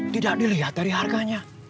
tidak dilihat dari harganya